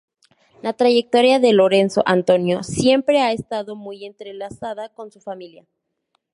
La trayectoria de Lorenzo Antonio siempre ha estado muy entrelazada con su familia.